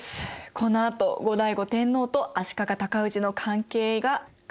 このあと後醍醐天皇と足利尊氏の関係が変わっていきます。